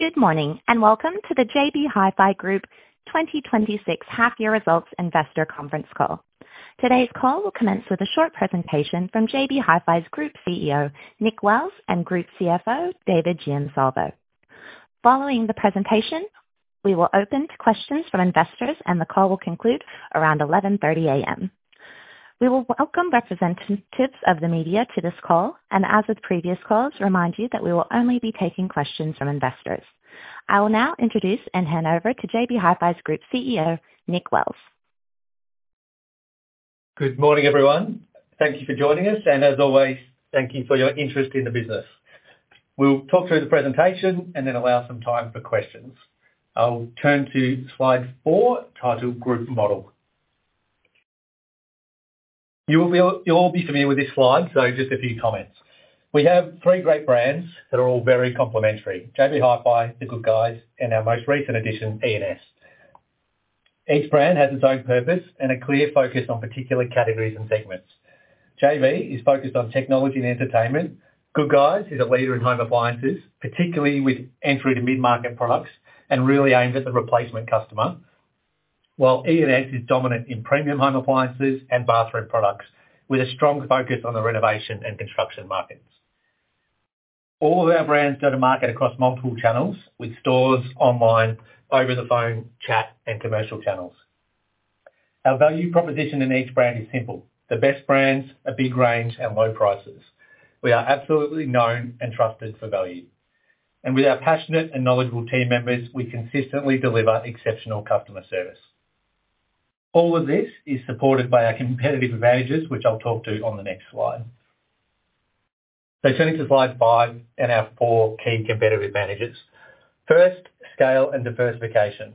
Good morning, and welcome to the JB Hi-Fi Group 2026 half-year results investor conference call. Today's call will commence with a short presentation from JB Hi-Fi's Group Chief Executive Officer, Nick Wells, and Group Chief Financial Officer, David Giansalvo. Following the presentation, we will open to questions from investors, and the call will conclude around 11:30 A.M. We will welcome representatives of the media to this call and, as with previous calls, remind you that we will only be taking questions from investors. I will now introduce and hand over to JB Hi-Fi's Group Chief Executive Officer, Nick Wells. Good morning, everyone. Thank you for joining us, and as always, thank you for your interest in the business. We'll talk through the presentation and then allow some time for questions. I'll turn to slide four, titled Group Model. You'll all be familiar with this slide, so just a few comments. We have three great brands that are all very complementary: JB Hi-Fi, The Good Guys, and our most recent addition, E&S. Each brand has its own purpose and a clear focus on particular categories and segments. JB is focused on technology and entertainment. Good Guys is a leader in home appliances, particularly with entry to mid-market products and really aimed at the replacement customer. While E&S is dominant in premium home appliances and bathroom products, with a strong focus on the renovation and construction markets. All of our brands go to market across multiple channels with stores online, over the phone, chat, and commercial channels. Our value proposition in each brand is simple: the best brands, a big range, and low prices. We are absolutely known and trusted for value. With our passionate and knowledgeable team members, we consistently deliver exceptional customer service. All of this is supported by our competitive advantages, which I'll talk to on the next slide. Turning to slide five and our four key competitive advantages. First, scale and diversification.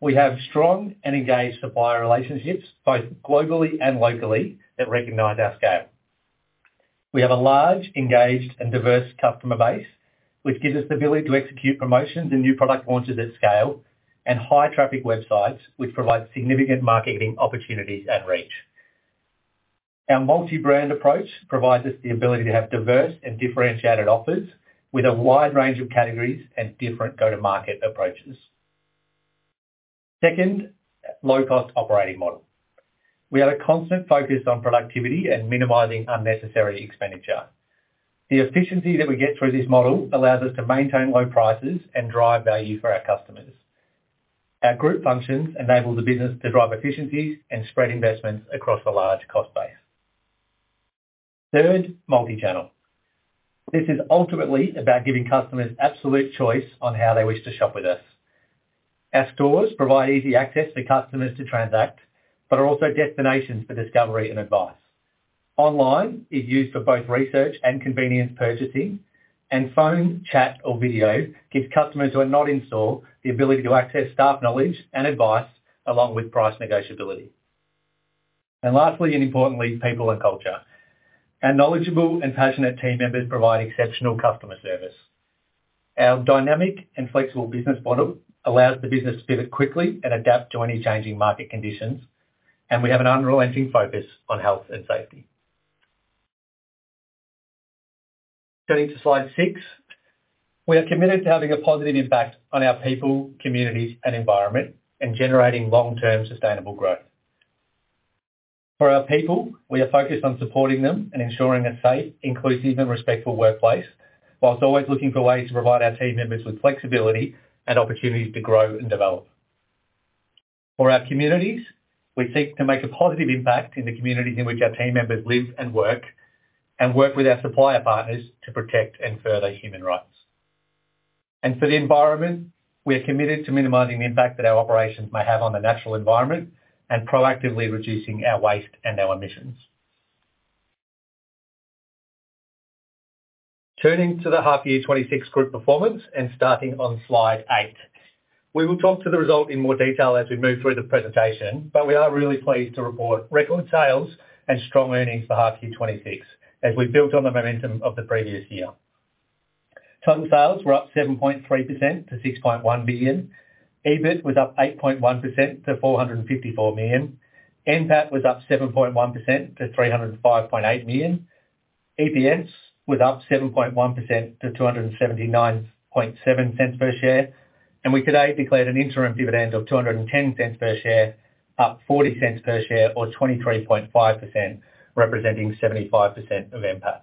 We have strong and engaged supplier relationships, both globally and locally, that recognize our scale. We have a large, engaged, and diverse customer base, which gives us the ability to execute promotions and new product launches at scale, and high traffic websites, which provide significant marketing opportunities and reach. Our multi-brand approach provides us the ability to have diverse and differentiated offers with a wide range of categories and different go-to-market approaches. Second, low-cost operating model. We have a constant focus on productivity and minimizing unnecessary expenditure. The efficiency that we get through this model allows us to maintain low prices and drive value for our customers. Our group functions enable the business to drive efficiencies and spread investments across a large cost base. Third, multi-channel. This is ultimately about giving customers absolute choice on how they wish to shop with us. Our stores provide easy access for customers to transact, but are also destinations for discovery and advice. Online is used for both research and convenience purchasing, and phone, chat, or video gives customers who are not in store the ability to access staff knowledge and advice, along with price negotiability. And lastly and importantly, people and culture. Our knowledgeable and passionate team members provide exceptional customer service. Our dynamic and flexible business model allows the business to pivot quickly and adapt to any changing market conditions, and we have an unrelenting focus on health and safety. Going to Slide six. We are committed to having a positive impact on our people, communities, and environment, and generating long-term sustainable growth. For our people, we are focused on supporting them and ensuring a safe, inclusive, and respectful workplace, while always looking for ways to provide our team members with flexibility and opportunities to grow and develop. For our communities, we seek to make a positive impact in the communities in which our team members live and work, and work with our supplier partners to protect and further human rights. For the environment, we are committed to minimizing the impact that our operations may have on the natural environment and proactively reducing our waste and our emissions. Turning to the half year 2026 group performance and starting on slide eight. We will talk to the result in more detail as we move through the presentation, but we are really pleased to report record sales and strong earnings for half year 2026, as we built on the momentum of the previous year. Total sales were up 7.3% to 6.1 billion. EBIT was up 8.1% to 454 million. NPAT was up 7.1% to 305.8 million. EPS was up 7.1% to 2.797 per share, and we today declared an interim dividend of 2.10 per share, up 40 cents per share or 23.5%, representing 75% of NPAT.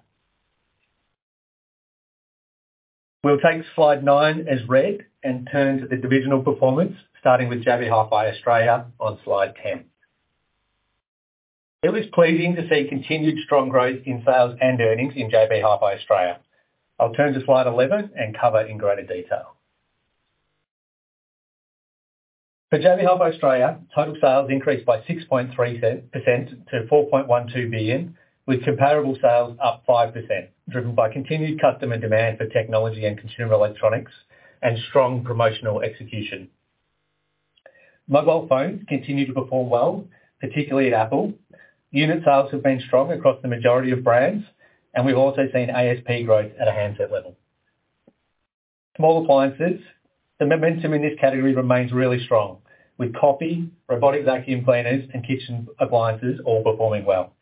We'll take slide nine as read and turn to the divisional performance, starting with JB Hi-Fi Australia on slide 10. It is pleasing to see continued strong growth in sales and earnings in JB Hi-Fi Australia. I'll turn to slide 11 and cover in greater detail. For JB Hi-Fi Australia, total sales increased by 6.3% to 4.12 billion, with comparable sales up 5%, driven by continued customer demand for technology and consumer electronics and strong promotional execution. Mobile phones continued to perform well, particularly at Apple. Unit sales have been strong across the majority of brands, and we've also seen ASP growth at a handset level. Small appliances. The momentum in this category remains really strong, with coffee, robotic vacuum cleaners, and kitchen appliances all performing well.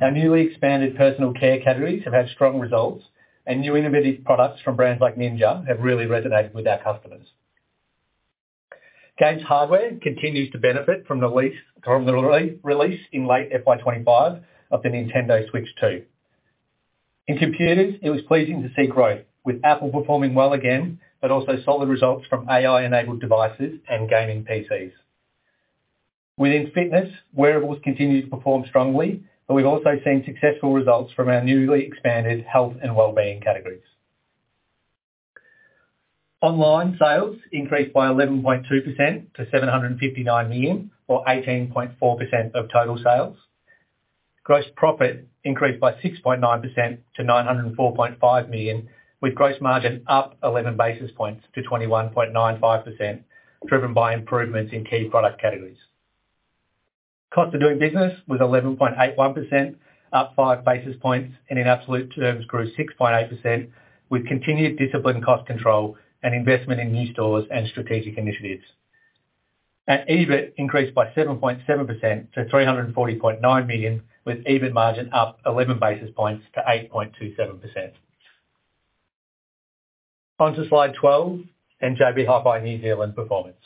Our newly expanded personal care categories have had strong results, and new innovative products from brands like Ninja have really resonated with our customers. Games hardware continues to benefit from the release in late FY25 of the Nintendo Switch 2. In computers, it was pleasing to see growth, with Apple performing well again, but also solid results from AI-enabled devices and gaming PCs. Within fitness, wearables continue to perform strongly, but we've also seen successful results from our newly expanded health and well-being categories. Online sales increased by 11.2% to 759 million, or 18.4% of total sales. Gross profit increased by 6.9% to 904.5 million, with gross margin up 11 basis points to 21.95%, driven by improvements in key product categories. Cost of doing business was 11.81%, up 5 basis points, and in absolute terms, grew 6.8%, with continued disciplined cost control and investment in new stores and strategic initiatives. Our EBIT increased by 7.7% to 340.9 million, with EBIT margin up 11 basis points to 8.27%. Onto Slide 12, and JB Hi-Fi New Zealand performance.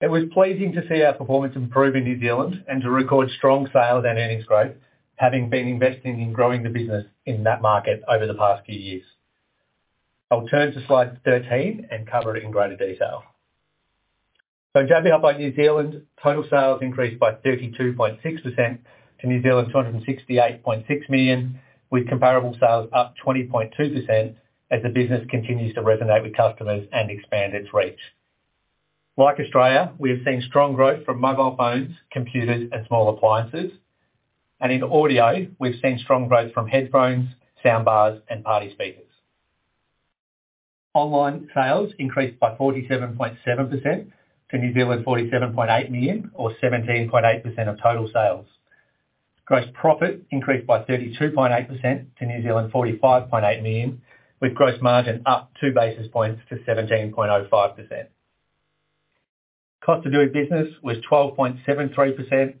It was pleasing to see our performance improve in New Zealand and to record strong sales and earnings growth, having been investing in growing the business in that market over the past few years. I'll turn to slide 13 and cover it in greater detail. So JB Hi-Fi New Zealand, total sales increased by 32.6% to 268.6 million, with comparable sales up 20.2% as the business continues to resonate with customers and expand its reach. Like Australia, we have seen strong growth from mobile phones, computers, and small appliances, and in audio, we've seen strong growth from headphones, soundbars, and party speakers. Online sales increased by 47.7% to 47.8 million, or 17.8% of total sales. Gross profit increased by 32.8% to 45.8 million, with gross margin up 2 basis points to 17.05%. Cost of doing business was 12.73%,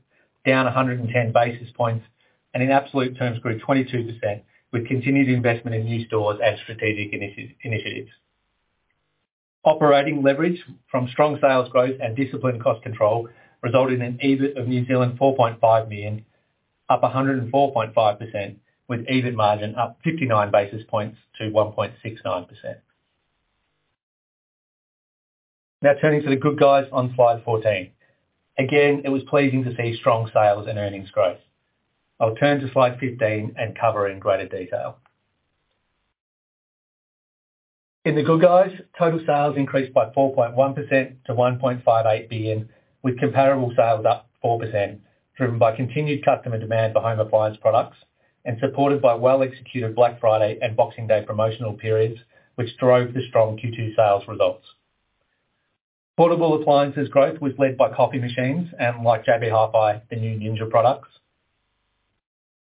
down 110 basis points, and in absolute terms, grew 22% with continued investment in new stores and strategic initiatives. Operating leverage from strong sales growth and disciplined cost control resulted in an EBIT of 4.5 million, up 104.5%, with EBIT margin up 59 basis points to 1.69%. Now turning to The Good Guys on slide 14. Again, it was pleasing to see strong sales and earnings growth. I'll turn to slide 15 and cover in greater detail. In The Good Guys, total sales increased by 4.1% to 1.58 billion, with comparable sales up 4%, driven by continued customer demand for home appliance products and supported by well-executed Black Friday and Boxing Day promotional periods, which drove the strong Q2 sales results. Portable appliances growth was led by coffee machines and like JB Hi-Fi, the new Ninja products.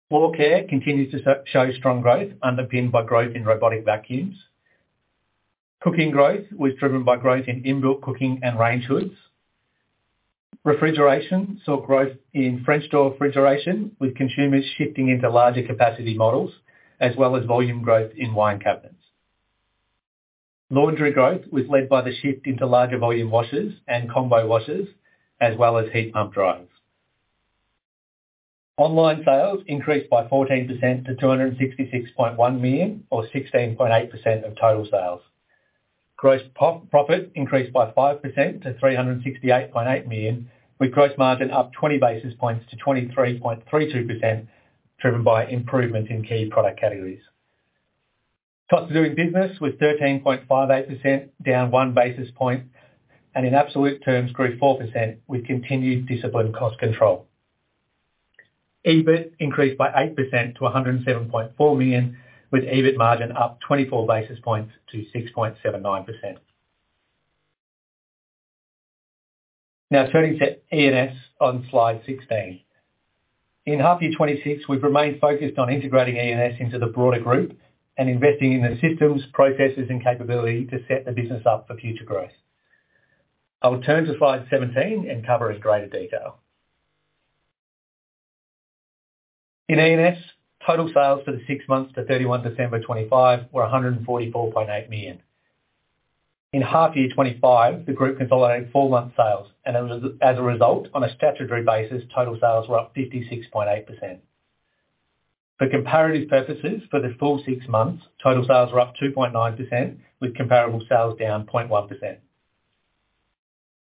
Floor care continues to show strong growth, underpinned by growth in robotic vacuums. Cooking growth was driven by growth in in-built cooking and range hoods. Refrigeration saw growth in French door refrigeration, with consumers shifting into larger capacity models, as well as volume growth in wine cabinets. Laundry growth was led by the shift into larger volume washers and combo washers, as well as heat pump dryers. Online sales increased by 14% to 266.1 million, or 16.8% of total sales. Gross profit increased by 5% to 368.8 million, with gross margin up 20 basis points to 23.32%, driven by improvement in key product categories. Cost of doing business was 13.58%, down 1 basis point, and in absolute terms, grew 4% with continued disciplined cost control. EBIT increased by 8% to 107.4 million, with EBIT margin up 24 basis points to 6.79%. Now turning to E&S on slide 16. In half year 2026, we've remained focused on integrating E&S into the broader group and investing in the systems, processes, and capability to set the business up for future growth. I will turn to slide 17 and cover in greater detail. In E&S, total sales for the six months to 31 December 2025 were 144.8 million. In half year 2025, the group consolidated full month sales, and as a result, on a statutory basis, total sales were up 56.8%. For comparative purposes, for the full six months, total sales were up 2.9%, with comparable sales down 0.1%.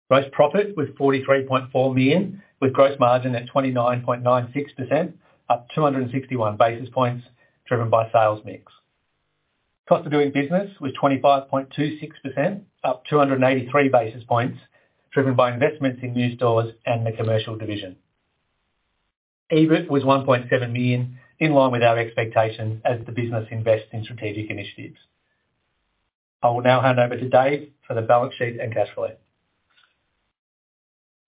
Gross profit was 43.4 million, with gross margin at 29.96%, up 261 basis points, driven by sales mix. Cost of doing business was 25.26%, up 283 basis points, driven by investments in new stores and the commercial division. EBIT was 1.7 million, in line with our expectations as the business invests in strategic initiatives. I will now hand over to Dave for the balance sheet and cash flow.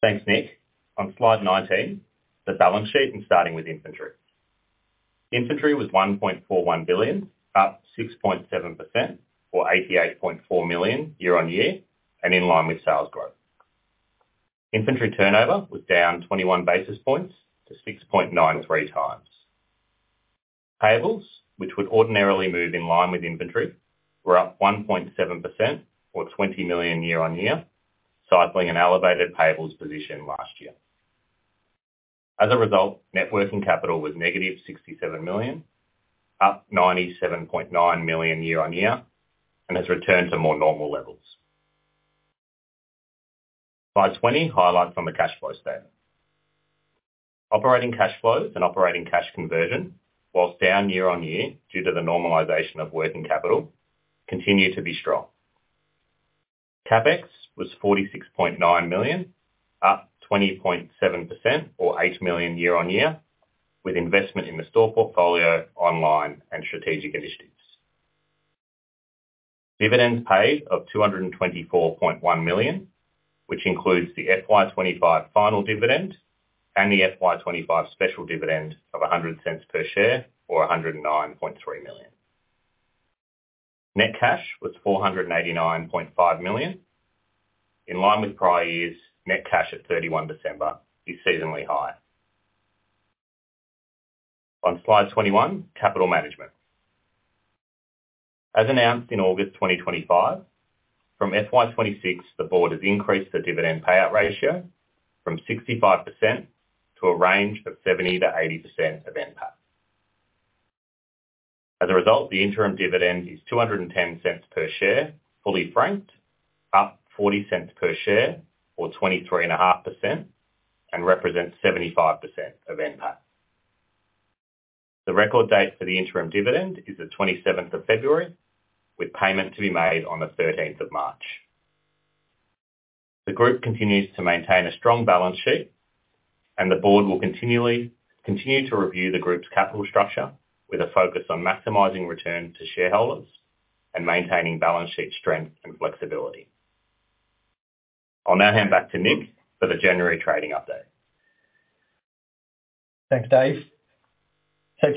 Thanks, Nick. On Slide 19, the balance sheet and starting with inventory. Inventory was 1.41 billion, up 6.7% or 88.4 million year-on-year and in line with sales growth.... Inventory turnover was down 21 basis points to 6.93 times. Payables, which would ordinarily move in line with inventory, were up 1.7% or 20 million year-on-year, cycling an elevated payables position last year. As a result, net working capital was negative 67 million, up 97.9 million year-on-year, and has returned to more normal levels. Slide 20, highlights on the cash flow statement. Operating cash flows and operating cash conversion, whilst down year-on-year due to the normalization of working capital, continue to be strong. CapEx was 46.9 million, up 20.7% or 8 million year-on-year, with investment in the store portfolio, online, and strategic initiatives. Dividends paid of 224.1 million, which includes the FY 2025 final dividend and the FY 2025 special dividend of 100 cents per share, or 109.3 million. Net cash was 489.5 million. In line with prior years, net cash at 31 December is seasonally high. On Slide 21, capital management. As announced in August 2025, from FY 2026, the board has increased the dividend payout ratio from 65% to a range of 70%-80% of NPAT. As a result, the interim dividend is 2.10 per share, fully franked, up 0.40 per share or 23.5%, and represents 75% of NPAT. The record date for the interim dividend is the 27th of February, with payment to be made on the 13th of March. The group continues to maintain a strong balance sheet, and the board will continue to review the group's capital structure with a focus on maximizing return to shareholders and maintaining balance sheet strength and flexibility. I'll now hand back to Nick for the January trading update. Thanks, Dave.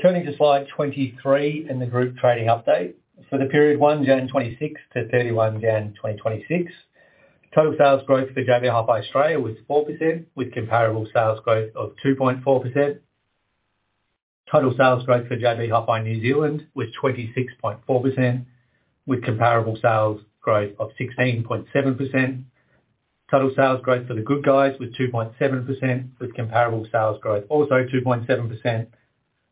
Turning to slide 23 in the group trading update. For the period 1 January 2026 to 31 January 2026, total sales growth for JB Hi-Fi Australia was 4%, with comparable sales growth of 2.4%. Total sales growth for JB Hi-Fi New Zealand was 26.4%, with comparable sales growth of 16.7%. Total sales growth for The Good Guys was 2.7%, with comparable sales growth also 2.7%,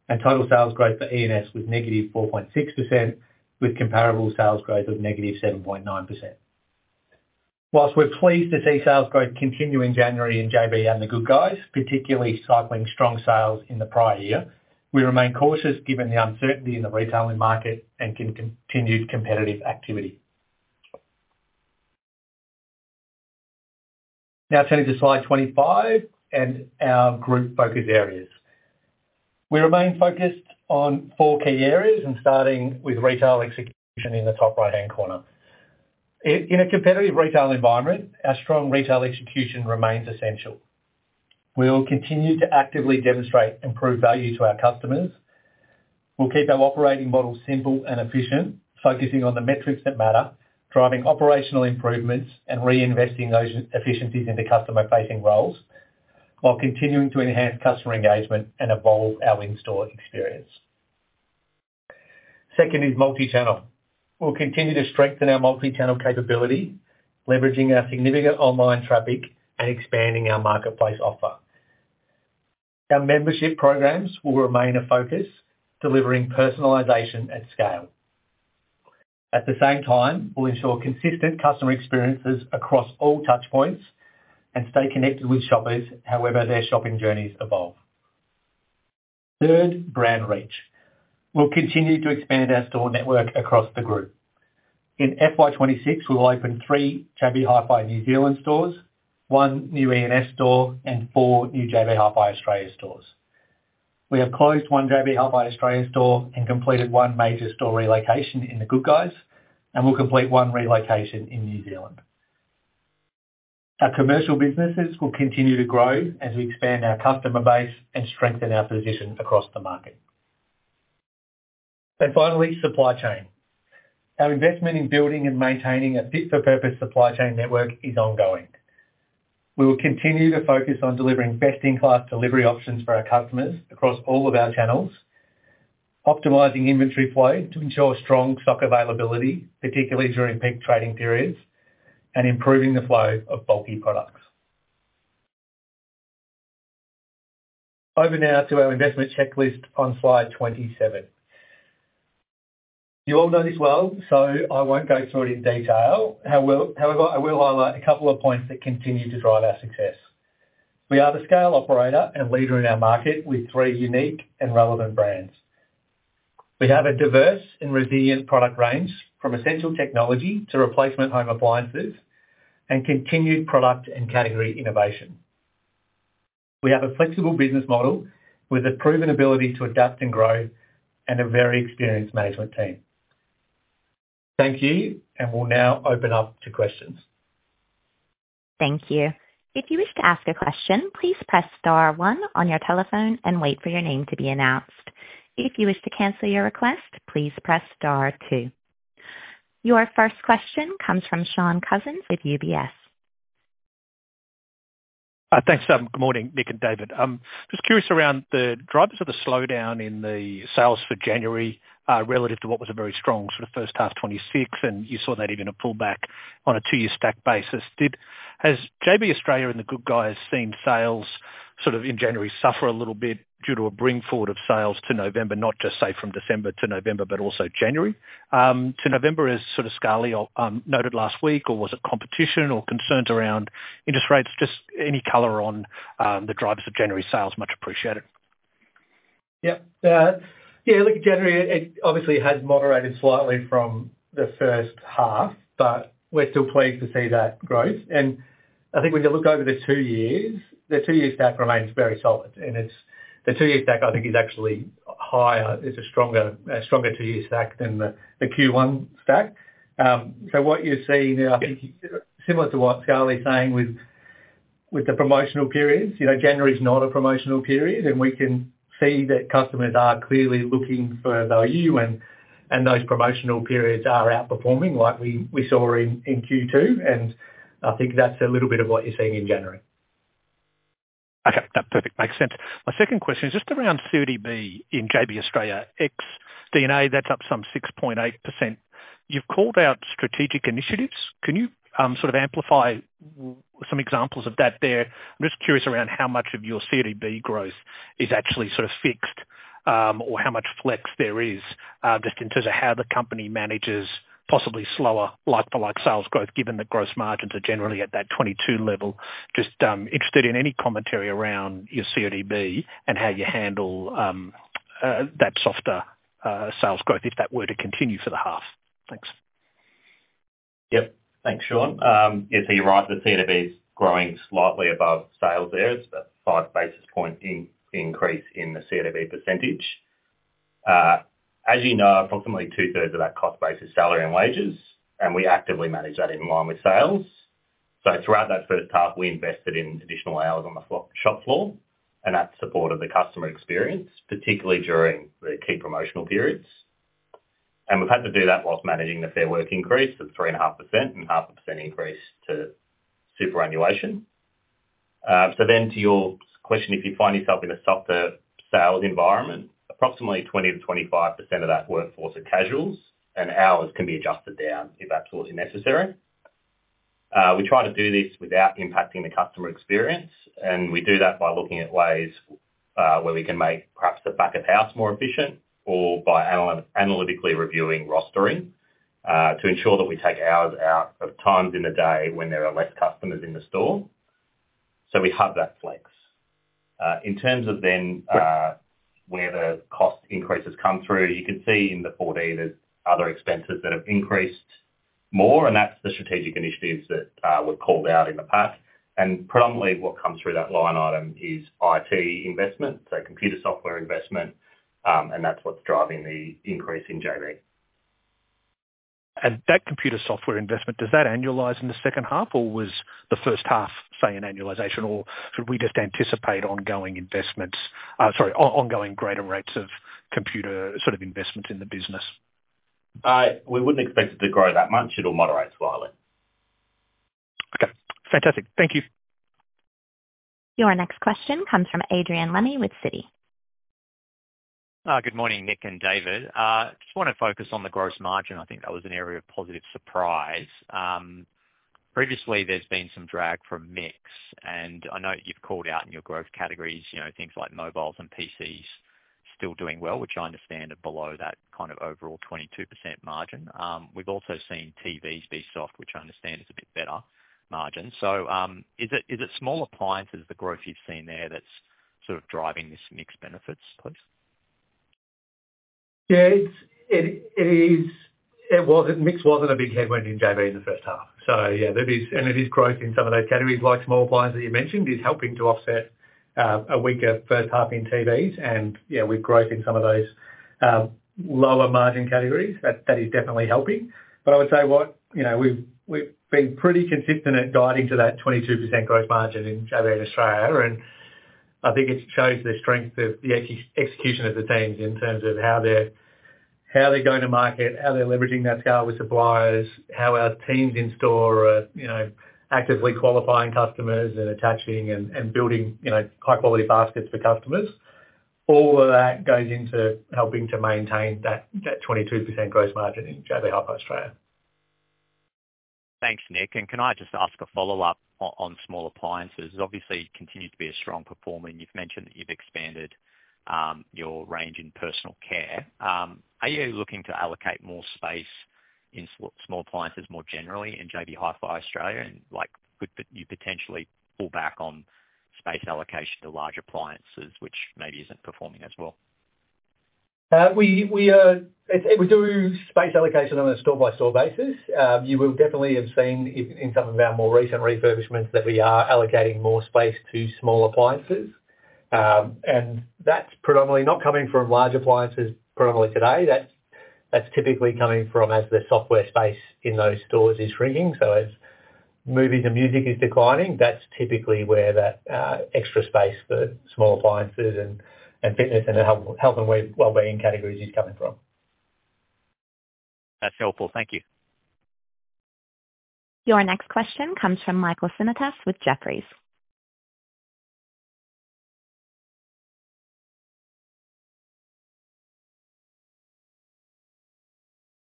and total sales growth for E&S was -4.6%, with comparable sales growth of -7.9%. While we're pleased to see sales growth continue in January in JB and The Good Guys, particularly cycling strong sales in the prior year, we remain cautious given the uncertainty in the retailing market and continued competitive activity. Now turning to slide 25 and our group focus areas. We remain focused on four key areas and starting with retail execution in the top right-hand corner. In a competitive retail environment, our strong retail execution remains essential. We will continue to actively demonstrate improved value to our customers. We'll keep our operating model simple and efficient, focusing on the metrics that matter, driving operational improvements and reinvesting those efficiencies into customer-facing roles, while continuing to enhance customer engagement and evolve our in-store experience. Second is multi-channel. We'll continue to strengthen our multi-channel capability, leveraging our significant online traffic and expanding our marketplace offer. Our membership programs will remain a focus, delivering personalization at scale. At the same time, we'll ensure consistent customer experiences across all touch points and stay connected with shoppers, however their shopping journeys evolve. Third, brand reach. We'll continue to expand our store network across the group. In FY 2026, we'll open 3 JB Hi-Fi New Zealand stores, one new E&S store, and four new JB Hi-Fi Australia stores. We have closed 1 JB Hi-Fi Australia store and completed 1 major store relocation in The Good Guys, and we'll complete 1 relocation in New Zealand. Our commercial businesses will continue to grow as we expand our customer base and strengthen our position across the market. Then finally, supply chain. Our investment in building and maintaining a fit-for-purpose supply chain network is ongoing. We will continue to focus on delivering best-in-class delivery options for our customers across all of our channels, optimizing inventory flow to ensure strong stock availability, particularly during peak trading periods, and improving the flow of bulky products. Over now to our investment checklist on slide 27. You all know this well, so I won't go through it in detail. However, I will highlight a couple of points that continue to drive our success. We are the scale operator and leader in our market with three unique and relevant brands. We have a diverse and resilient product range from essential technology to replacement home appliances and continued product and category innovation. We have a flexible business model with a proven ability to adapt and grow and a very experienced management team. Thank you, and we'll now open up to questions. Thank you. If you wish to ask a question, please press star one on your telephone and wait for your name to be announced. If you wish to cancel your request, please press star two. Your first question comes from Shaun Cousins with UBS. Thanks, Susan. Good morning, Nick and David. Just curious around the drivers of the slowdown in the sales for January, relative to what was a very strong sort of first half 2026, and you saw that even a pullback on a two-year stack basis. Has JB Australia and The Good Guys seen sales sort of in January suffer a little bit due to a bring forward of sales to November, not just say, from December to November, but also January to November, as sort of Scali noted last week, or was it competition or concerns around interest rates? Just any color on the drivers of January sales, much appreciated. Yep. Yeah, look, January, it obviously has moderated slightly from the first half, but we're still pleased to see that growth. And I think when you look over the two years, the two-year stack remains very solid, and it's, the two-year stack, I think, is actually higher. There's a stronger, a stronger two-year stack than the, the Q1 stack. So what you're seeing, I think, similar to what Scali is saying with, with the promotional periods, you know, January is not a promotional period, and we can see that customers are clearly looking for value and, and those promotional periods are outperforming like we, we saw in, in Q2, and I think that's a little bit of what you're seeing in January. Okay, that's perfect. Makes sense. My second question is just around CODB in JB Australia, ex DNA, that's up some 6.8%. You've called out strategic initiatives. Can you sort of amplify some examples of that there? I'm just curious around how much of your CODB growth is actually sort of fixed, or how much flex there is, just in terms of how the company manages possibly slower, like for like, sales growth, given that gross margins are generally at that 22 level. Just interested in any commentary around your CODB and how you handle that softer sales growth, if that were to continue for the half. Thanks. Yep. Thanks, Shaun. Yes, you're right, the CODB is growing slightly above sales there. It's about five basis points increase in the CODB percentage. As you know, approximately two-thirds of that cost base is salary and wages, and we actively manage that in line with sales. So throughout that first half, we invested in additional hours on the shop floor, and that supported the customer experience, particularly during the key promotional periods. And we've had to do that while managing the Fair Work increase of 3.5% and 0.5% increase to superannuation. So then to your question, if you find yourself in a softer sales environment, approximately 20%-25% of that workforce are casuals, and hours can be adjusted down if absolutely necessary. We try to do this without impacting the customer experience, and we do that by looking at ways where we can make perhaps the back of house more efficient or by analytically reviewing rostering to ensure that we take hours out of times in the day when there are less customers in the store. So we have that flex. In terms of then where the cost increases come through, you can see in the 14, there's other expenses that have increased more, and that's the strategic initiatives that we've called out in the past. And predominantly what comes through that line item is IT investment, so computer software investment, and that's what's driving the increase in JB. That computer software investment, does that annualize in the second half, or was the first half, say, an annualization, or should we just anticipate ongoing investments? Sorry, ongoing greater rates of computer sort of investments in the business. We wouldn't expect it to grow that much. It'll moderate slightly. Okay. Fantastic. Thank you. Your next question comes from Adrian Lemme with Citi. Good morning, Nick and David. Just wanna focus on the gross margin. I think that was an area of positive surprise. Previously, there's been some drag from mix, and I know you've called out in your growth categories, you know, things like mobiles and PCs still doing well, which I understand are below that kind of overall 22% margin. We've also seen TVs be soft, which I understand is a bit better margin. So, is it small appliances, the growth you've seen there, that's sort of driving this mix benefits please? Yeah, it is. It wasn't. Mix wasn't a big headwind in JB in the first half. So yeah, it is, and it is growth in some of those categories, like small appliances, that you mentioned, is helping to offset a weaker first half in TVs. And, yeah, with growth in some of those lower margin categories, that is definitely helping. But I would say, you know, we've been pretty consistent at guiding to that 22% gross margin in JB Hi-Fi Australia, and I think it shows the strength of the execution of the teams in terms of how they're going to market, how they're leveraging that scale with suppliers, how our teams in store are, you know, actively qualifying customers and attaching and building, you know, high-quality baskets for customers. All of that goes into helping to maintain that 22% gross margin in JB Hi-Fi Australia. Thanks, Nick. And can I just ask a follow-up on small appliances? Obviously, it continued to be a strong performer, and you've mentioned that you've expanded your range in personal care. Are you looking to allocate more space in small appliances, more generally in JB Hi-Fi Australia, and like, could you potentially pull back on space allocation to large appliances, which maybe isn't performing as well? We do space allocation on a store-by-store basis. You will definitely have seen in some of our more recent refurbishments that we are allocating more space to small appliances. And that's predominantly not coming from large appliances, predominantly today. That's typically coming from as the software space in those stores is shrinking. Movies and music is declining, that's typically where that extra space for small appliances and fitness and the health and wellbeing categories is coming from. That's helpful. Thank you. Your next question comes from Michael Simotas with Jefferies.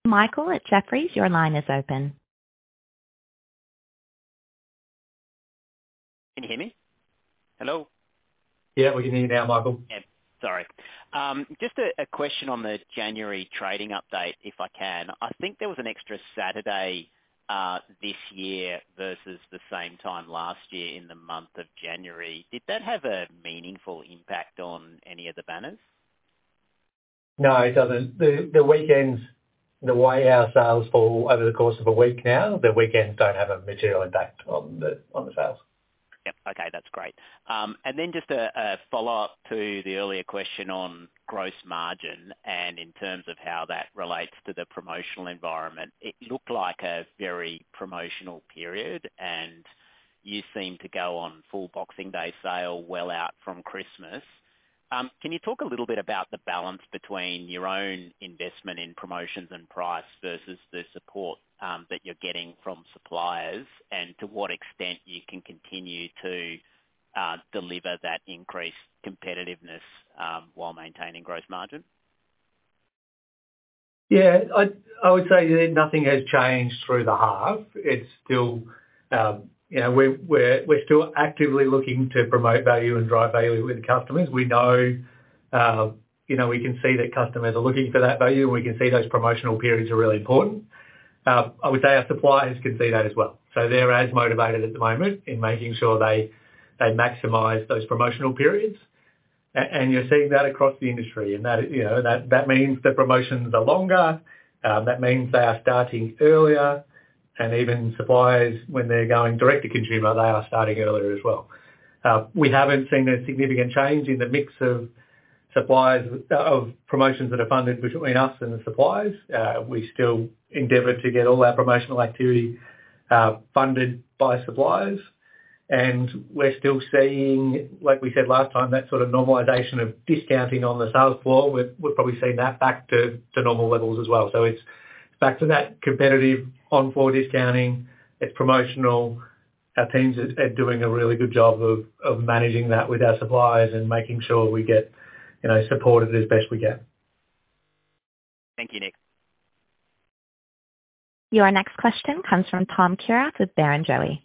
Michael at Jefferies, your line is open. Can you hear me? Hello? Yeah, we can hear you now, Michael. Yeah, sorry. Just a question on the January trading update, if I can. I think there was an extra Saturday this year versus the same time last year in the month of January. Did that have a meaningful impact on any of the banners? No, it doesn't. The weekends, the way our sales fall over the course of a week now, the weekends don't have a material impact on the sales. Yep. Okay, that's great. And then just a follow-up to the earlier question on gross margin and in terms of how that relates to the promotional environment. It looked like a very promotional period, and you seem to go on full Boxing Day sale well out from Christmas. Can you talk a little bit about the balance between your own investment in promotions and price versus the support that you're getting from suppliers? And to what extent you can continue to deliver that increased competitiveness while maintaining gross margin? Yeah, I would say nothing has changed through the half. It's still, you know, we're still actively looking to promote value and drive value with customers. We know, you know, we can see that customers are looking for that value. We can see those promotional periods are really important. I would say our suppliers can see that as well. So they're as motivated at the moment in making sure they maximize those promotional periods. And you're seeing that across the industry, and that, you know, that means the promotions are longer, that means they are starting earlier, and even suppliers, when they're going direct to consumer, they are starting earlier as well. We haven't seen a significant change in the mix of suppliers, of promotions that are funded between us and the suppliers. We still endeavor to get all our promotional activity funded by suppliers, and we're still seeing, like we said last time, that sort of normalization of discounting on the sales floor. We're probably seeing that back to normal levels as well. So it's back to that competitive on-floor discounting. It's promotional. Our teams are doing a really good job of managing that with our suppliers and making sure we get, you know, supported as best we can. Thank you, Nick. Your next question comes from Tom Kierath with Barrenjoey.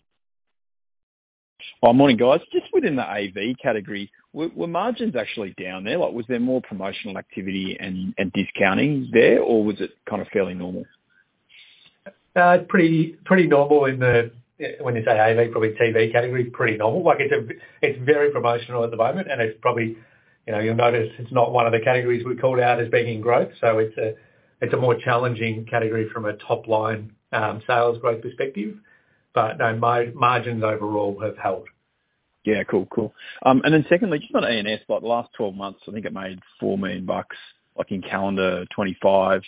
Well, morning, guys. Just within the AV category, were margins actually down there? Like, was there more promotional activity and, and discounting there, or was it kind of fairly normal? Pretty, pretty normal in the... When you say AV, probably TV category, pretty normal. Like, it's very promotional at the moment, and it's probably, you know, you'll notice it's not one of the categories we called out as being in growth, so it's a more challenging category from a top line sales growth perspective, but no, margins overall have held. Yeah. Cool. Cool. And then secondly, just on E&S, like the last twelve months, I think it made 4 million bucks, like in calendar 2025.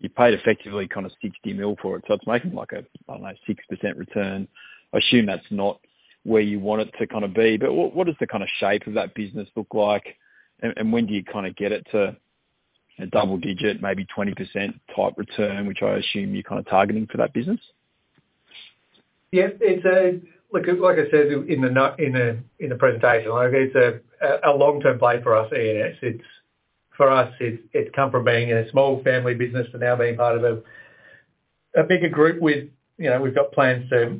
You paid effectively kind of 60 million for it, so it's making, like a, I don't know, 6% return. I assume that's not where you want it to kind of be, but what, what does the kind of shape of that business look like? And, and when do you kind of get it to a double-digit, maybe 20% type return, which I assume you're kind of targeting for that business? Yes, look, like I said, in the presentation, like it's a long-term play for us, E&S. It's for us, it's come from being a small family business to now being part of a bigger group with. You know, we've got plans to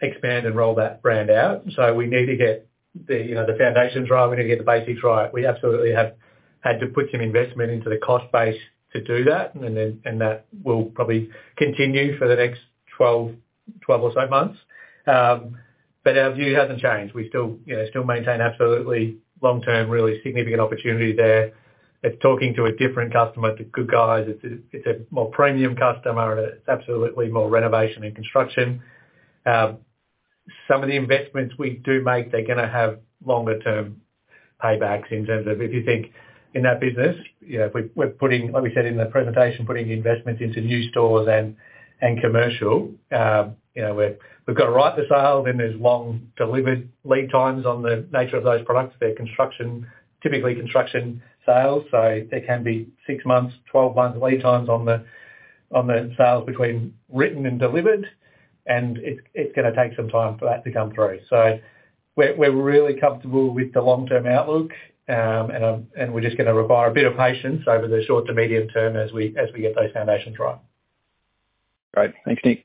expand and roll that brand out, so we need to get the foundations right. We need to get the basics right. We absolutely have had to put some investment into the cost base to do that, and that will probably continue for the next 12 or so months. But our view hasn't changed. We still, you know, still maintain absolutely long-term, really significant opportunity there. It's talking to a different customer, The Good Guys. It's a more premium customer, and it's absolutely more renovation and construction. Some of the investments we do make, they're gonna have longer term paybacks in terms of if you think in that business, you know, we're putting, like we said in the presentation, putting the investments into new stores and, and commercial, you know, we've got to write the sale, then there's long delivered lead times on the nature of those products. They're construction, typically construction sales, so there can be 6 months, 12 months lead times on the, on the sales between written and delivered, and it's, it's gonna take some time for that to come through. So we're, we're really comfortable with the long-term outlook, and, and we're just gonna require a bit of patience over the short to medium term as we, as we get those foundations right. Great. Thanks, Nick.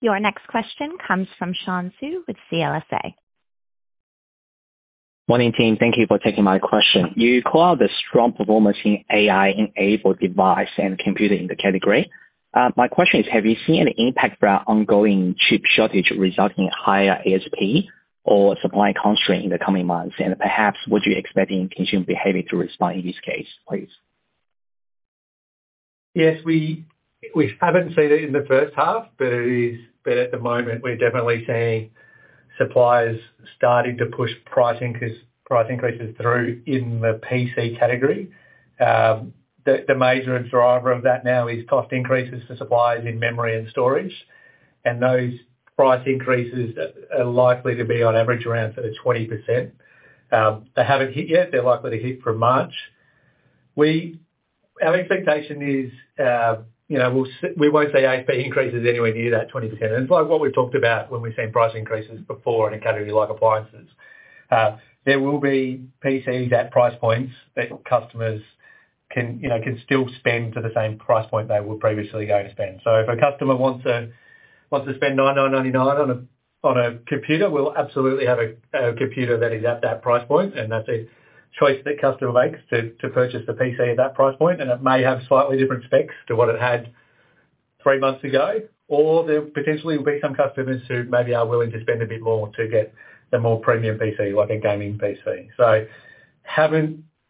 Your next question comes from Shaun Xu with CLSA. Morning, team. Thank you for taking my question. You call out the strong performance in AI-enabled device and computer in the category. My question is, have you seen any impact for our ongoing chip shortage, resulting in higher ASP or supply constraint in the coming months? And perhaps, would you expect the consumer behavior to respond in this case, please? Yes, we haven't seen it in the first half, but at the moment, we're definitely seeing suppliers starting to push pricing, price increases through in the PC category. The major driver of that now is cost increases to suppliers in memory and storage, and those price increases are likely to be on average around sort of 20%. They haven't hit yet. They're likely to hit for March. Our expectation is, you know, we won't see ASP increases anywhere near that 20%. And it's like what we've talked about when we've seen price increases before in a category like appliances. There will be PCs at price points that customers can, you know, still spend to the same price point they were previously going to spend. So if a customer wants to spend 999 on a computer, we'll absolutely have a computer that is at that price point, and that's a choice that customer makes to purchase a PC at that price point. And it may have slightly different specs to what it had three months ago. Or there potentially will be some customers who maybe are willing to spend a bit more to get the more premium PC, like a gaming PC. So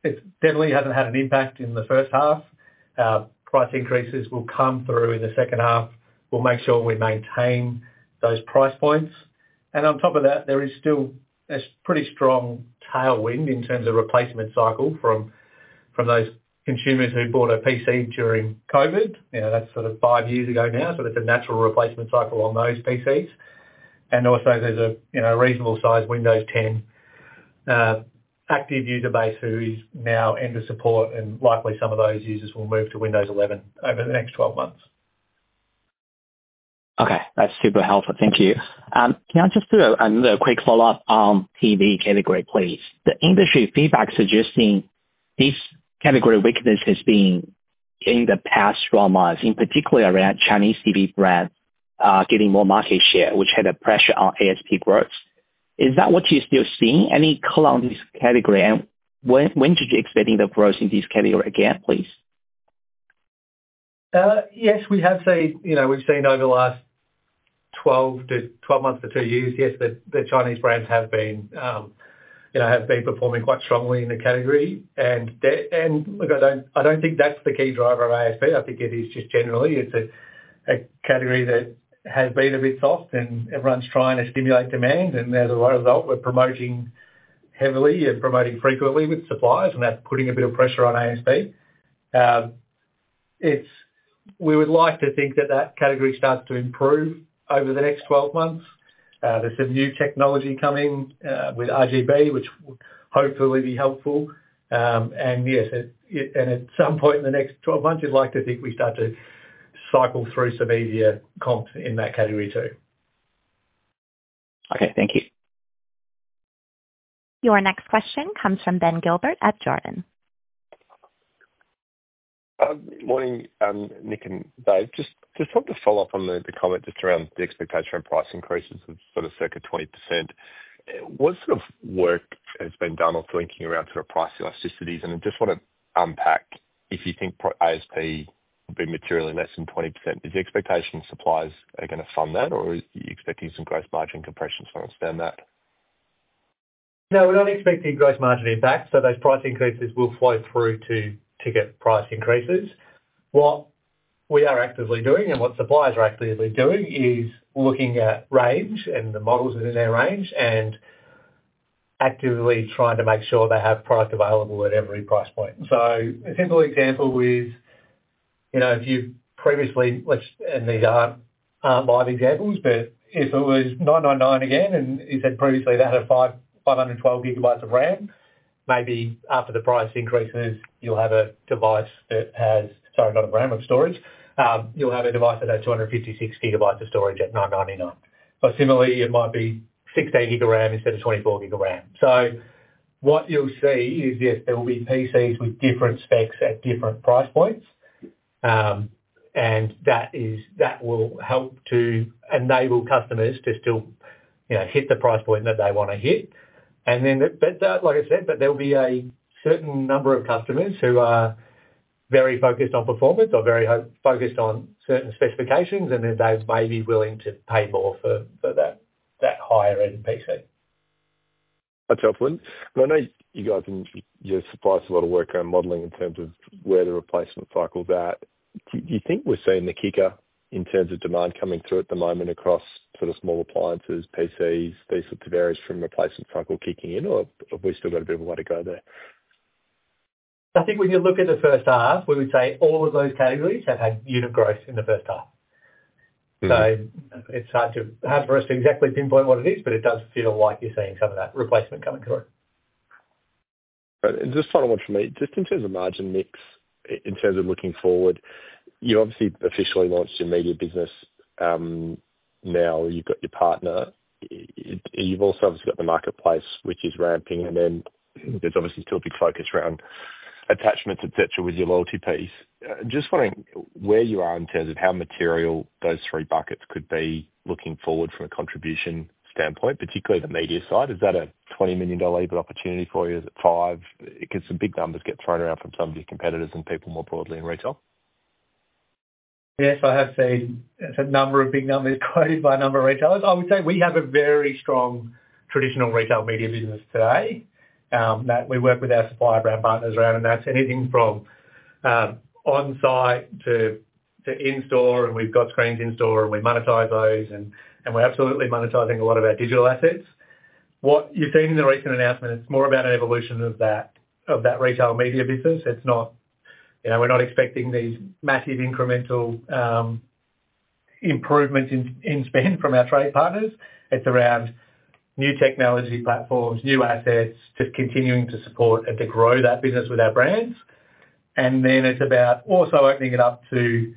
it definitely hasn't had an impact in the first half. Price increases will come through in the second half. We'll make sure we maintain those price points. And on top of that, there is still a pretty strong tailwind in terms of replacement cycle from those consumers who bought a PC during COVID. You know, that's sort of five years ago now, so there's a natural replacement cycle on those PCs. And also there's a, you know, reasonable size Windows 10 active user base who is now end of support, and likely some of those users will move to Windows 11 over the next 12 months. Okay, that's super helpful. Thank you. Can I just do another quick follow-up on TV category, please? The industry feedback suggesting this category weakness has been in the past few months, in particular around Chinese TV brands getting more market share, which had a pressure on ASP growth. Is that what you're still seeing? Any color on this category, and when should you expecting the growth in this category again, please? Yes, we have seen... You know, we've seen over the last 12 to 12 months to two years, yes, the Chinese brands have been, you know, have been performing quite strongly in the category. And they, and look, I don't, I don't think that's the key driver of ASP. I think it is just generally, it's a category that has been a bit soft, and everyone's trying to stimulate demand. And as a result, we're promoting heavily and promoting frequently with suppliers, and that's putting a bit of pressure on ASP. We would like to think that that category starts to improve over the next 12 months. There's some new technology coming with RGB, which will hopefully be helpful. And yes, at some point in the next 12 months, you'd like to think we start to cycle through some easier comps in that category, too. Okay, thank you. Your next question comes from Ben Gilbert at Jarden. Morning, Nick and Dave. Just wanted to follow up on the comment just around the expectation on price increases of sort of circa 20%. What sort of work has been done on thinking around sort of price elasticities? And I just want to unpack if you think ASP will be materially less than 20%, is the expectation suppliers are gonna fund that, or are you expecting some gross margin compression to understand that? No, we're not expecting gross margin impact, so those price increases will flow through to ticket price increases. What we are actively doing, and what suppliers are actively doing, is looking at range and the models within their range, and actively trying to make sure they have product available at every price point. So a simple example is, you know, if you previously, these aren't live examples, but if it was 999 again, and you said previously that had 512 GB of RAM, maybe after the price increases, you'll have a device that has, sorry, not a RAM of storage. You'll have a device that has 256 GB of storage at 999. But similarly, it might be 16 GB RAM instead of 24 GB RAM. So what you'll see is, yes, there will be PCs with different specs at different price points. And that is, that will help to enable customers to still, you know, hit the price point that they want to hit. And then, but like I said, but there'll be a certain number of customers who are very focused on performance or very focused on certain specifications, and then they may be willing to pay more for that higher end PC. That's helpful. I know you guys and your suppliers, a lot of work around modeling in terms of where the replacement cycle's at. Do you think we're seeing the kicker in terms of demand coming through at the moment across sort of small appliances, PCs, these sorts of areas from replacement cycle kicking in, or have we still got a bit of a way to go there? I think when you look at the first half, we would say all of those categories have had unit growth in the first half. Mm-hmm. So it's hard for us to exactly pinpoint what it is, but it does feel like you're seeing some of that replacement coming through. Just final one from me. Just in terms of margin mix, in terms of looking forward, you obviously officially launched your media business, now you've got your partner. You've also obviously got the marketplace, which is ramping, and then there's obviously still a big focus around attachments, et cetera, with your loyalty piece. Just wondering where you are in terms of how material those three buckets could be looking forward from a contribution standpoint, particularly the media side. Is that an 20 million dollar opportunity for you? Is it 5 million? Because some big numbers get thrown around from some of your competitors and people more broadly in retail. Yes, I have seen a number of big numbers quoted by a number of retailers. I would say we have a very strong traditional retail media business today that we work with our supplier brand partners around, and that's anything from on-site to in-store, and we've got screens in-store, and we monetize those, and we're absolutely monetizing a lot of our digital assets. What you've seen in the recent announcement, it's more about an evolution of that retail media business. It's not. You know, we're not expecting these massive incremental improvements in spend from our trade partners. It's around new technology platforms, new assets, just continuing to support and to grow that business with our brands. Then it's about also opening it up to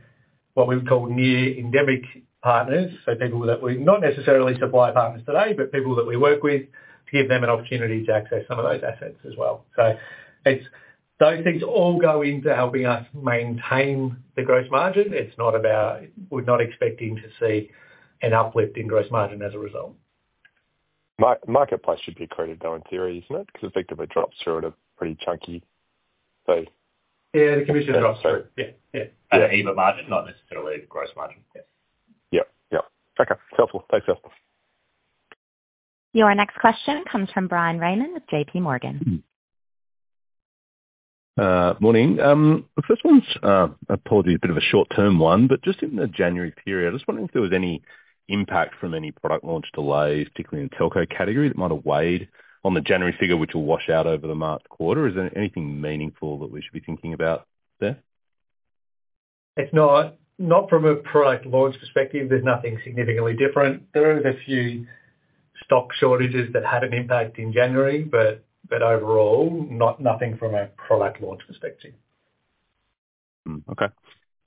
what we would call near endemic partners, so people that we're not necessarily supplier partners today, but people that we work with, to give them an opportunity to access some of those assets as well. So it's those things all go into helping us maintain the gross margin. It's not about... We're not expecting to see an uplift in gross margin as a result. Marketplace should be accretive, though, in theory, isn't it? Because it effectively drops through at a pretty chunky fee. Yeah, the commission drops through. Sorry. Yeah. Yeah. Yeah. The EBITDA margin, not necessarily the gross margin. Yeah. Yep. Yep. Okay. Helpful. Thanks, Jasper. Your next question comes from Bryan Raymond with J.P. Morgan. Morning. The first one's, apologies, a bit of a short-term one, but just in the January period, I was just wondering if there was any impact from any product launch delays, particularly in the telco category, that might have weighed on the January figure, which will wash out over the March quarter. Is there anything meaningful that we should be thinking about there? It's not from a product launch perspective, there's nothing significantly different. There was a few stock shortages that had an impact in January, but overall, nothing from a product launch perspective. Hmm. Okay.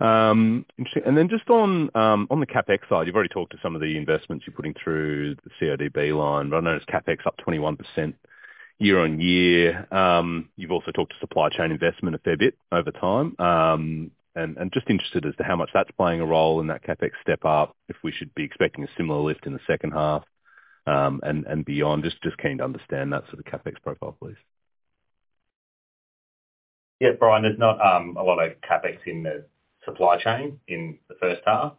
Interesting. And then just on the CapEx side, you've already talked to some of the investments you're putting through the CODB line, but I noticed CapEx up 21% year-on-year. You've also talked to supply chain investment a fair bit over time. And just interested as to how much that's playing a role in that CapEx step up, if we should be expecting a similar lift in the second half, and beyond. Just keen to understand that sort of CapEx profile, please. Yeah, Bryan, there's not a lot of CapEx in the supply chain in the first half.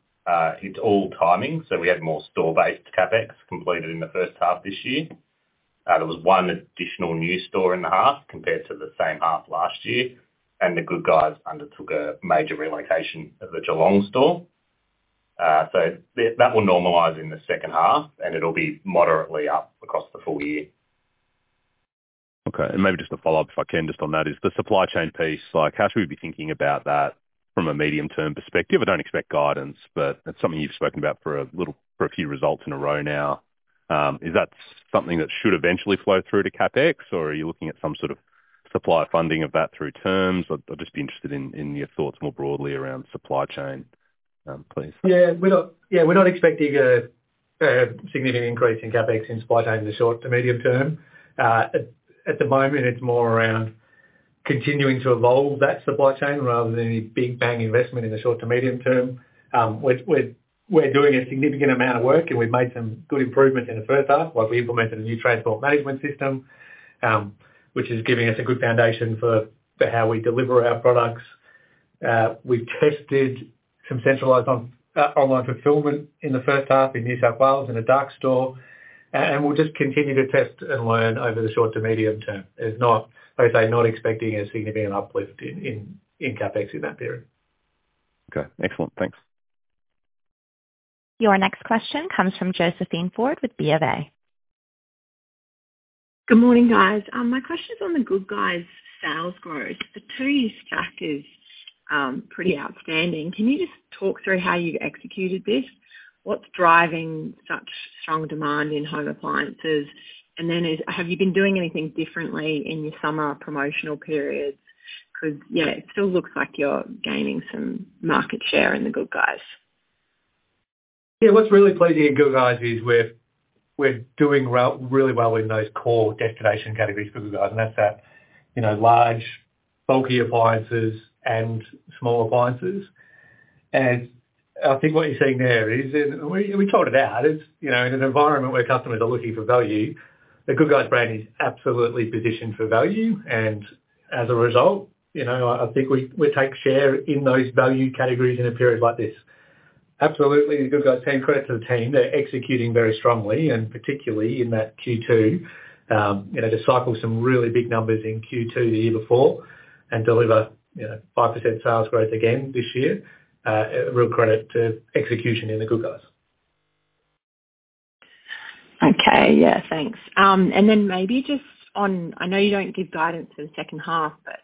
It's all timing, so we had more store-based CapEx completed in the first half this year. There was one additional new store in the half compared to the same half last year, and The Good Guys undertook a major relocation of the Geelong store. So that will normalize in the second half, and it'll be moderately up across the full year. Okay, and maybe just a follow-up, if I can, just on that, is the supply chain piece, like, how should we be thinking about that from a medium-term perspective? I don't expect guidance, but it's something you've spoken about for a little, for a few results in a row now. Is that something that should eventually flow through to CapEx, or are you looking at some sort of supplier funding of that through terms? I'd, I'd just be interested in, in your thoughts more broadly around supply chain, please. Yeah, we're not expecting a significant increase in CapEx in supply chain in the short to medium term. At the moment, it's more around continuing to evolve that supply chain rather than any big bang investment in the short to medium term. We're doing a significant amount of work, and we've made some good improvements in the first half. Like, we implemented a new transport management system, which is giving us a good foundation for how we deliver our products. We've tested some centralized online fulfillment in the first half in New South Wales, in a dark store. And we'll just continue to test and learn over the short to medium term. It's not, like I say, not expecting a significant uplift in CapEx in that period. Okay. Excellent. Thanks. Your next question comes from Josephine Ford with BofA. Good morning, guys. My question is on The Good Guys' sales growth. The two-year stack is pretty outstanding. Can you just talk through how you've executed this? What's driving such strong demand in home appliances? And then have you been doing anything differently in your summer promotional periods? 'Cause, you know, it still looks like you're gaining some market share in The Good Guys. Yeah, what's really pleasing at Good Guys is we're doing really well in those core destination categories for Good Guys, and that's, you know, large, bulky appliances and small appliances. And I think what you're seeing there is, and we called it out, is, you know, in an environment where customers are looking for value, The Good Guys brand is absolutely positioned for value. And as a result, you know, I think we take share in those value categories in a period like this. Absolutely, The Good Guys, paying credit to the team, they're executing very strongly, and particularly in that Q2, you know, to cycle some really big numbers in Q2 the year before and deliver, you know, 5% sales growth again this year. A real credit to execution in The Good Guys. Okay. Yeah, thanks. And then maybe just on... I know you don't give guidance for the second half, but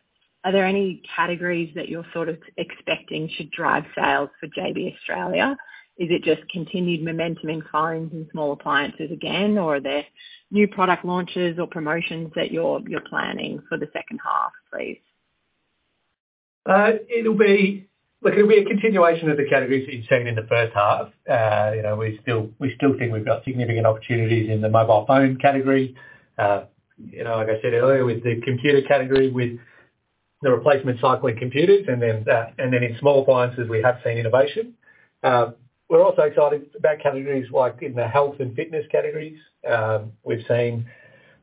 are there any categories that you're sort of expecting should drive sales for JB Australia? Is it just continued momentum in phones and small appliances again, or are there new product launches or promotions that you're planning for the second half, please? It'll be. Look, it'll be a continuation of the categories that you've seen in the first half. You know, we still, we still think we've got significant opportunities in the mobile phone category. You know, like I said earlier, with the computer category, with the replacement cycle in computers, and then, and then in small appliances, we have seen innovation. We're also excited about categories like in the health and fitness categories. We've seen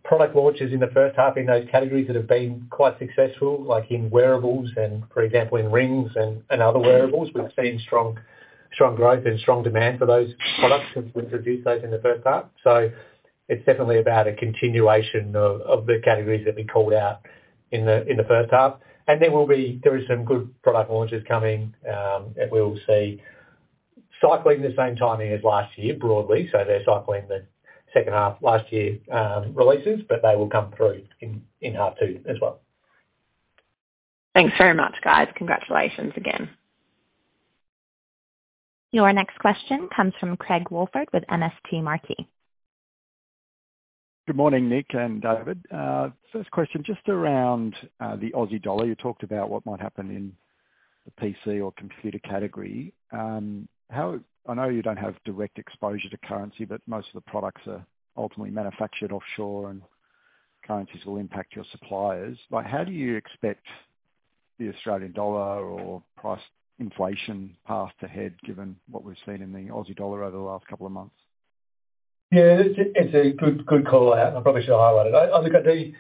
product launches in the first half in those categories that have been quite successful, like in wearables and, for example, in rings and, and other wearables. We've seen strong, strong growth and strong demand for those products since we introduced those in the first half. So it's definitely about a continuation of, of the categories that we called out in the, in the first half. There are some good product launches coming, and we'll see cycling the same timing as last year, broadly. So they're cycling the second half last year releases, but they will come through in half two as well. Thanks very much, guys. Congratulations again. Your next question comes from Craig Woolford with MST Marquee. Good morning, Nick and David. First question, just around the Aussie dollar. You talked about what might happen in the PC or computer category. How I know you don't have direct exposure to currency, but most of the products are ultimately manufactured offshore, and currencies will impact your suppliers. Like, how do you expect the Australian dollar or price inflation path ahead, given what we've seen in the Aussie dollar over the last couple of months? Yeah, it's a good call out, and I probably should highlight it. I think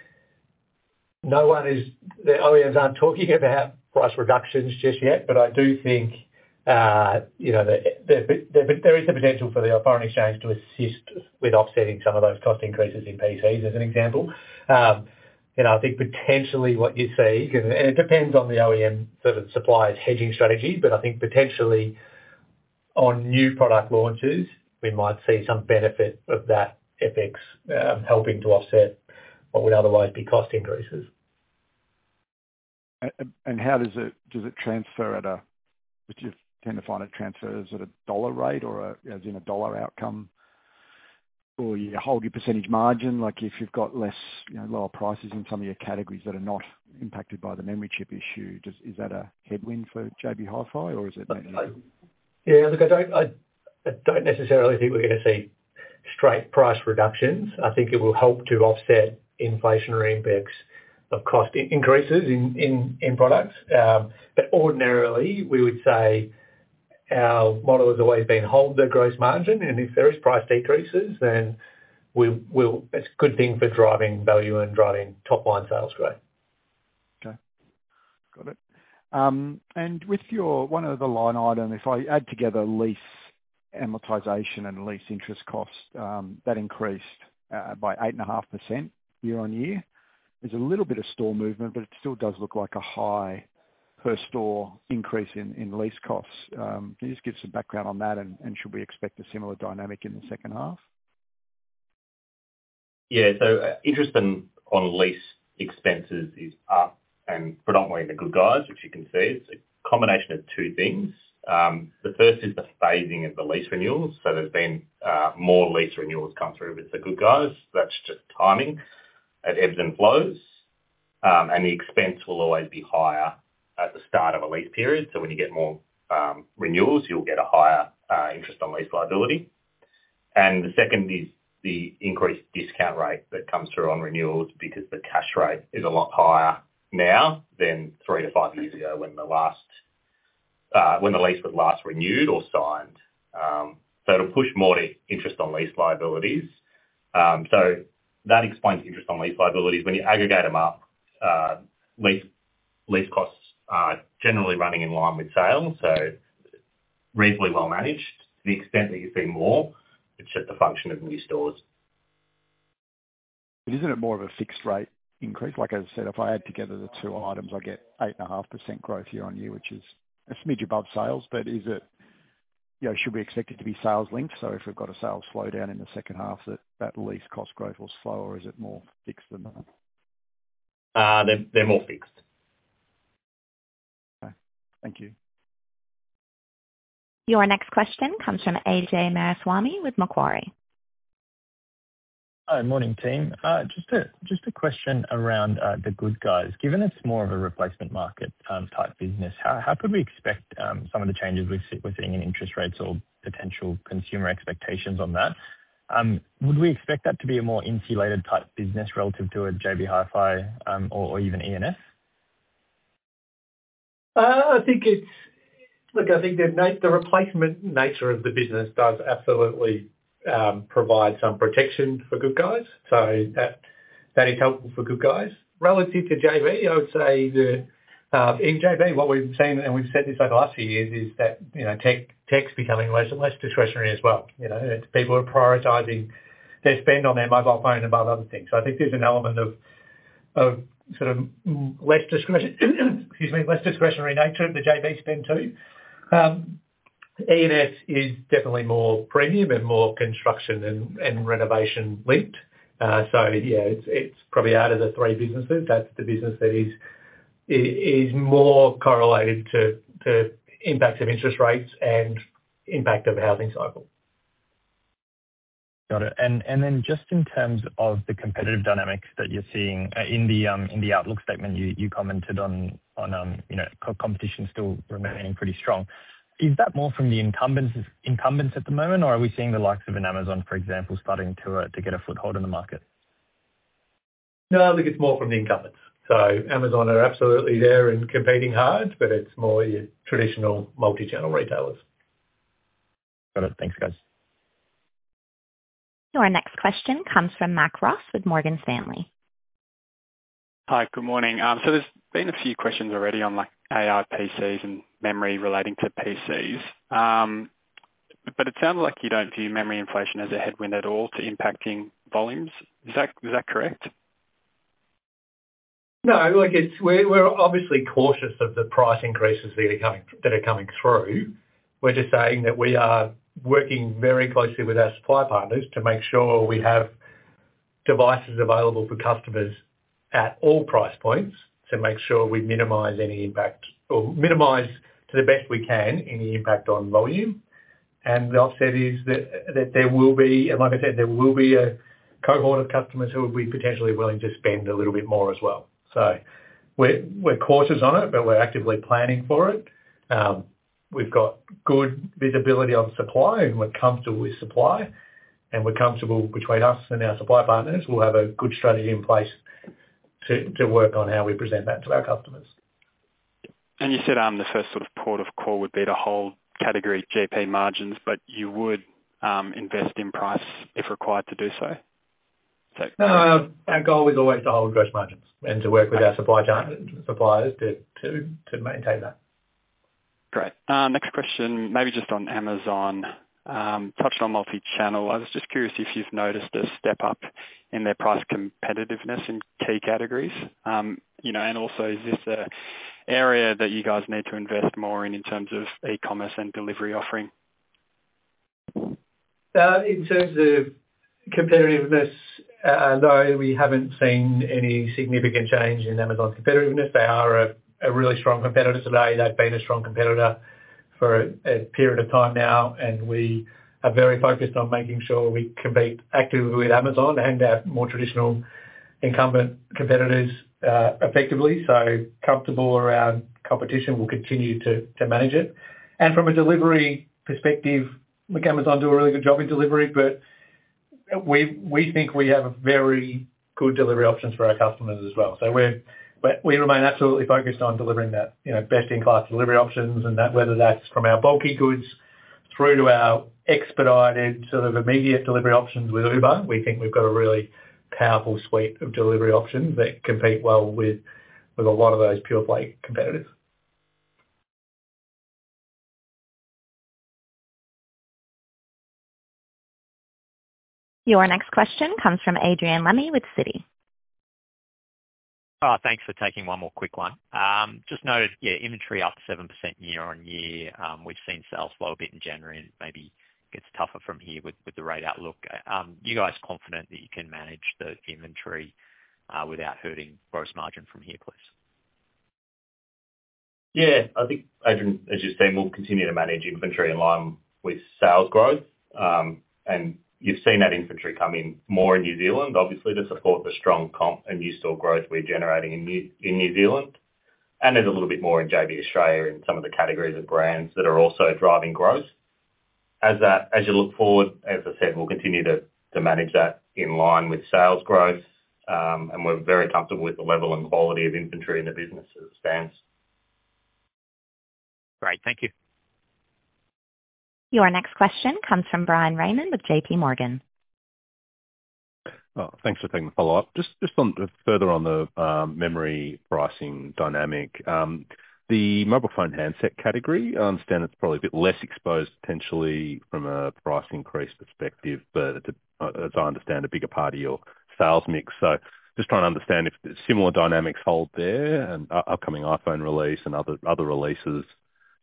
no one is... The OEMs aren't talking about price reductions just yet, but I do think, you know, that there is the potential for the foreign exchange to assist with offsetting some of those cost increases in PCs, as an example. You know, I think potentially what you see, and it depends on the OEM, sort of, suppliers hedging strategy, but I think potentially on new product launches, we might see some benefit of that FX, helping to offset what would otherwise be cost increases. And how does it transfer? Would you tend to find it transfers at a dollar rate or a, as in, a dollar outcome? Or you hold your percentage margin, like if you've got less, you know, lower prices in some of your categories that are not impacted by the memory chip issue. Is that a headwind for JB Hi-Fi, or is it? Yeah, look, I don't necessarily think we're gonna see straight price reductions. I think it will help to offset inflationary impacts of cost increases in products. But ordinarily, we would say our model has always been hold the gross margin, and if there is price decreases, then it's a good thing for driving value and driving top-line sales growth. Okay, got it. With your one other line item, if I add together lease amortization and lease interest costs, that increased by 8.5% year-on-year. There's a little bit of store movement, but it still does look like a high per store increase in, in lease costs. Can you just give some background on that, and should we expect a similar dynamic in the second half? Yeah. So interest on lease expenses is up, and predominantly The Good Guys, which you can see. It's a combination of two things. The first is the phasing of the lease renewals. So there's been more lease renewals come through with The Good Guys. That's just timing. It ebbs and flows, and the expense will always be higher at the start of a lease period. So when you get more renewals, you'll get a higher interest on lease liability. And the second is the increased discount rate that comes through on renewals, because the cash rate is a lot higher now than three to five years ago, when the lease was last renewed or signed. So it'll push more to interest on lease liabilities. So that explains interest on lease liabilities. When you aggregate them up, lease costs are generally running in line with sales, so reasonably well managed. To the extent that you're seeing more, it's just a function of new stores. But isn't it more of a fixed rate increase? Like I said, if I add together the two items, I get 8.5% growth year-on-year, which is a smidge above sales. But is it, you know, should we expect it to be sales linked? So if we've got a sales slowdown in the second half, that lease cost growth will slow, or is it more fixed than that? They're more fixed. Okay. Thank you. Your next question comes from Ajay Vaswani with Macquarie. Hi. Morning, team. Just a question around the Good Guys. Given it's more of a replacement market type business, how could we expect some of the changes we're seeing in interest rates or potential consumer expectations on that? Would we expect that to be a more insulated type business relative to a JB Hi-Fi, or even E&S? I think it's—look, I think the replacement nature of the business does absolutely provide some protection for Good Guys, so that is helpful for Good Guys. Relative to JB, I would say that in JB, what we've seen, and we've said this over the last few years, is that, you know, tech, tech's becoming less and less discretionary as well. You know, people are prioritizing their spend on their mobile phone above other things. So I think there's an element of sort of less discretion, excuse me, less discretionary nature of the JB spend, too. E&S is definitely more premium and more construction and renovation linked. So yeah, it's probably out of the three businesses, that's the business that is more correlated to impacts of interest rates and impact of the housing cycle. Got it. And then just in terms of the competitive dynamics that you're seeing, in the outlook statement, you commented on, you know, co-competition still remaining pretty strong. Is that more from the incumbents at the moment, or are we seeing the likes of Amazon, for example, starting to get a foothold in the market? No, I think it's more from the incumbents. So Amazon are absolutely there and competing hard, but it's more your traditional multi-channel retailers. Got it. Thanks, guys. Your next question comes from Mac Ross with Morgan Stanley. Hi, good morning. So there's been a few questions already on, like, AI, PCs, and memory relating to PCs. But it sounds like you don't view memory inflation as a headwind at all to impacting volumes. Is that, is that correct? No, look, it's we're, we're obviously cautious of the price increases that are coming, that are coming through. We're just saying that we are working very closely with our supply partners to make sure we have devices available for customers at all price points, to make sure we minimize any impact or minimize to the best we can, any impact on volume. And the offset is that, that there will be, and like I said, there will be a cohort of customers who will be potentially willing to spend a little bit more as well. So we're, we're cautious on it, but we're actively planning for it. We've got good visibility on supply, and we're comfortable with supply, and we're comfortable between us and our supply partners. We'll have a good strategy in place to, to work on how we present that to our customers. You said, the first sort of port of call would be to hold category GP margins, but you would, invest in price if required to do so? So- Our goal is always to hold gross margins and to work with our supply chain, suppliers, to maintain that. Great. Next question, maybe just on Amazon. Touched on multi-channel. I was just curious if you've noticed a step up in their price competitiveness in key categories. You know, and also, is this an area that you guys need to invest more in, in terms of e-commerce and delivery offering? In terms of competitiveness, no, we haven't seen any significant change in Amazon's competitiveness. They are a really strong competitor today. They've been a strong competitor for a period of time now, and we are very focused on making sure we compete actively with Amazon and our more traditional incumbent competitors effectively, so comfortable around competition, we'll continue to manage it. And from a delivery perspective, look, Amazon do a really good job in delivery, but we think we have very good delivery options for our customers as well. We're we remain absolutely focused on delivering that, you know, best-in-class delivery options and that, whether that's from our bulky goods through to our expedited sort of immediate delivery options with Uber, we think we've got a really powerful suite of delivery options that compete well with a lot of those pure play competitors. Your next question comes from Adrian Lemme with Citi. Oh, thanks for taking one more quick one. Just noticed, yeah, inventory up 7% year-on-year. We've seen sales slow a bit in January, and maybe gets tougher from here with, with the rate outlook. You guys confident that you can manage the inventory without hurting gross margin from here, please? Yeah. I think, Adrian, as you've seen, we'll continue to manage inventory in line with sales growth. And you've seen that inventory come in more in New Zealand, obviously, to support the strong comp and new store growth we're generating in New Zealand. And there's a little bit more in JB Australia, in some of the categories of brands that are also driving growth. As, as you look forward, as I said, we'll continue to manage that in line with sales growth. And we're very comfortable with the level and quality of inventory in the business as it stands. Great. Thank you. Your next question comes from Bryan Raymond with JP Morgan. Thanks for taking the follow-up. Just on the memory pricing dynamic, the mobile phone handset category, I understand it's probably a bit less exposed potentially from a price increase perspective, but as I understand, a bigger part of your sales mix. So just trying to understand if similar dynamics hold there and upcoming iPhone release and other releases,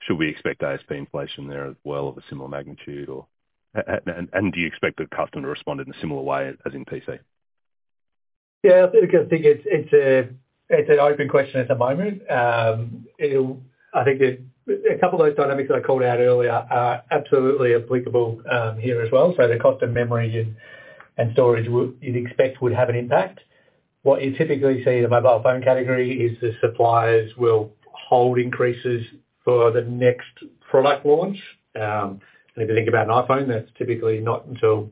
should we expect ASP inflation there as well of a similar magnitude or? And do you expect the customer to respond in a similar way as in PC? Yeah, I think it's an open question at the moment. It'll-- I think there's a couple of those dynamics that I called out earlier are absolutely applicable here as well. So the cost of memory and storage you'd expect would have an impact. What you typically see in the mobile phone category is the suppliers will hold increases for the next product launch. And if you think about an iPhone, that's typically not until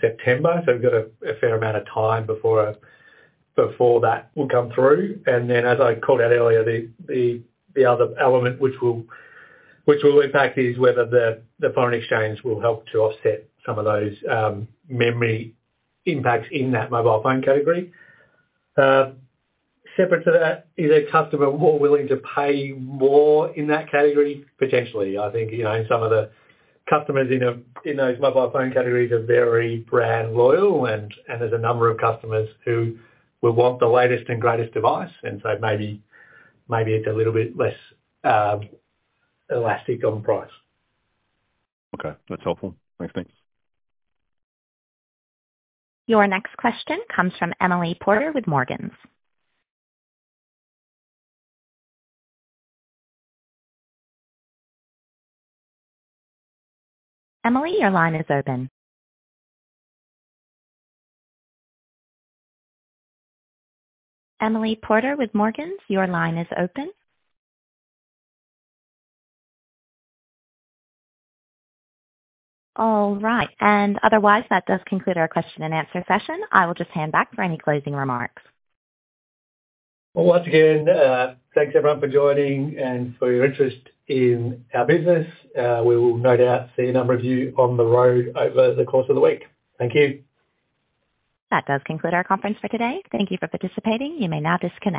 September. So we've got a fair amount of time before that will come through. And then, as I called out earlier, the other element which will impact is whether the foreign exchange will help to offset some of those memory impacts in that mobile phone category. Separate to that, is a customer more willing to pay more in that category? Potentially. I think, you know, some of the customers in the, in those mobile phone categories are very brand loyal, and, and there's a number of customers who will want the latest and greatest device. And so maybe, maybe it's a little bit less elastic on price. Okay. That's helpful. Thanks. Thanks. Your next question comes from Emily Porter with Morgans. Emily, your line is open. Emily Porter with Morgans, your line is open. All right. And otherwise, that does conclude our question and answer session. I will just hand back for any closing remarks. Well, once again, thanks, everyone, for joining and for your interest in our business. We will no doubt see a number of you on the road over the course of the week. Thank you. That does conclude our conference for today. Thank you for participating. You may now disconnect.